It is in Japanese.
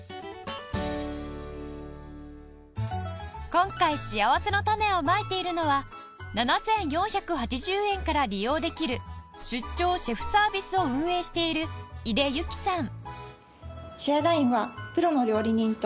今回しあわせのたねをまいているのは７４８０円から利用できる出張シェフサービスを運営している井出有希さん